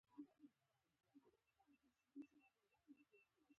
او نه يې د چا په لاس ورته راولېږل .